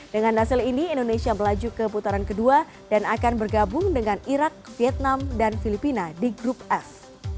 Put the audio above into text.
dengan hasil ini indonesia melaju ke putaran kedua dan akan bergabung dengan irak vietnam dan filipina di grup f